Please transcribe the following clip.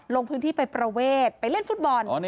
ลงพื้นที่ไปประเวทไปเล่นฟุตบอล